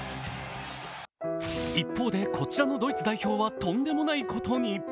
一方で、こちらのドイツ代表はとんでもないことに。